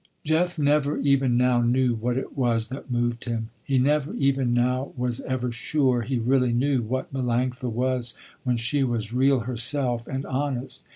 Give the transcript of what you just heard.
Jeff never, even now, knew what it was that moved him. He never, even now, was ever sure, he really knew what Melanctha was, when she was real herself, and honest.